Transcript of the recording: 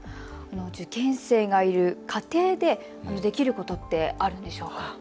受験生がいる家庭でできることってあるんでしょうか。